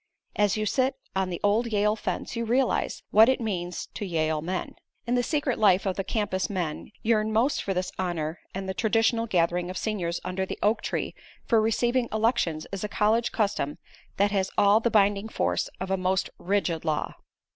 As you sit on the old Yale fence you realize what it means to Yale men. In the secret life of the campus men yearn most for this honor and the traditional gathering of seniors under the oak tree for receiving elections is a college custom that has all the binding force of a most rigid law.